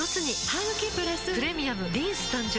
ハグキプラス「プレミアムリンス」誕生